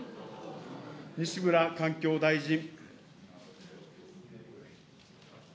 西村環境大臣。